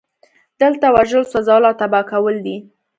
دلته وژل سوځول او تباه کول دي